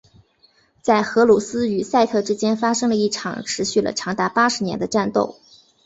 在荷鲁斯与赛特之间发生了一场持续了长达八十年的战斗。